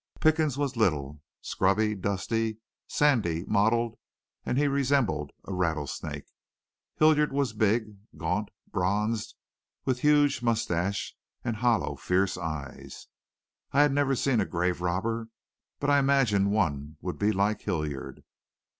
Pickens was little, scrubby, dusty, sandy, mottled, and he resembled a rattlesnake. Hilliard was big, gaunt, bronzed, with huge mustache and hollow, fierce eyes. I never had seen a grave robber, but I imagined one would be like Hilliard.